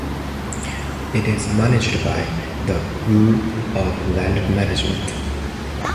It is managed by the Bureau of Land Management.